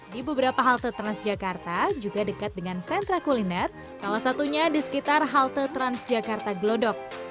di beberapa halte transjakarta juga dekat dengan sentra kuliner salah satunya di sekitar halte transjakarta glodok